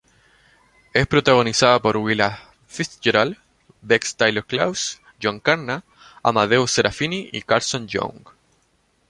Es protagonizada por Willa Fitzgerald, Bex Taylor-Klaus, John Karna, Amadeus Serafini y Carlson Young.